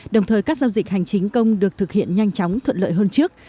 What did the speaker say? đồng thời các giao dịch hành chính công được thực hiện nhanh chóng thuận lợi hơn trước